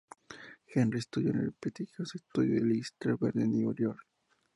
Henry estudió en el prestigioso estudio Lee Strasberg de Nueva York.